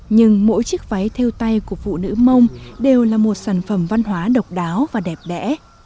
nhưng mỗi chiếc váy theo tay của phụ nữ mông đều là một sản phẩm văn hóa độc đáo và đẹp đẽ